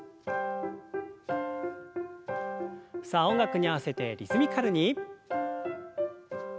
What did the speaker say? さあ音楽に合わせてリズミカルに。